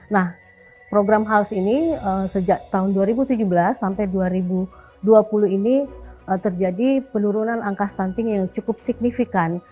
nah program hals ini sejak tahun dua ribu tujuh belas sampai dua ribu dua puluh ini terjadi penurunan angka stunting yang cukup signifikan